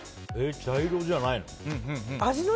茶色じゃないの？